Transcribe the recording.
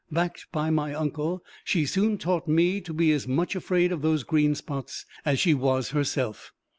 Backed by my uncle, she soon taught me to be as much afraid of those green spots as she was herself.